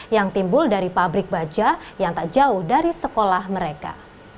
yang timbul dari pabrik baja yang tak jauh dari sekolah mereka